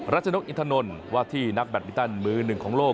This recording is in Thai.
ชนกอินทนนท์ว่าที่นักแบตมินตันมือหนึ่งของโลก